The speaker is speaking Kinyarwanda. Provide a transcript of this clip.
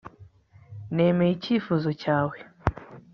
nemeye icyifuzo cyawe